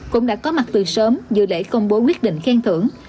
cũng đã có mặt từ sớm dự lễ công bố quyết định khen thưởng